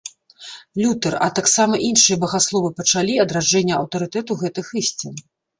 Лютэр, а таксама іншыя багасловы пачалі адраджэнне аўтарытэту гэтых ісцін.